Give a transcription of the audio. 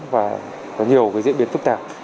và có nhiều diễn biến phức tạp